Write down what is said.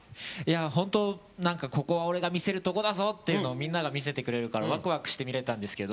本当ここは俺が見せるとこだぞっていうのをみんなが見せてくれるからワクワクして見れたんですけど